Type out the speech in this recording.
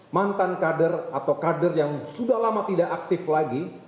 mantan kader atau kader yang sudah lama tidak aktif lagi